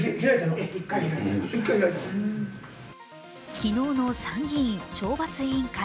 昨日の参議院懲罰委員会。